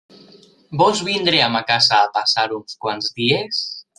Vols vindre a ma casa a passar uns quants dies?